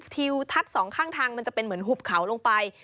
ทิวทัศน์สองข้างทางมันจะเป็นเหมือนหุบเขาลงไป